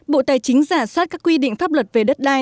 bộ tài chính giả soát các quy định pháp luật về đất đai